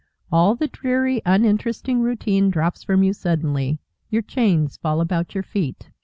All the dreary, uninteresting routine drops from you suddenly, your chains fall about your feet.